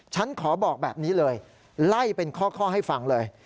ฉันขอบอกแบบนี้เลยไล่เป็นข้อให้ฟังเลย